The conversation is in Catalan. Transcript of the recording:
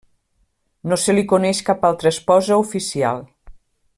No se li coneix cap altra esposa oficial.